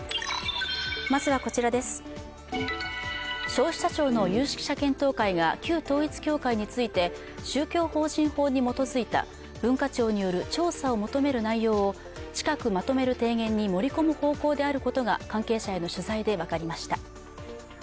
消費者庁の有識者検討会が旧統一教会について宗教法人法に基づいた文化庁に調査を求める内容を近くまとめる提言に盛り込む方向であることが関係者への取材で分かりました。